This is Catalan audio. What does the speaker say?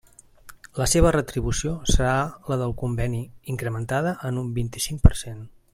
La seva retribució serà la del conveni, incrementada en un vint-i-cinc per cent.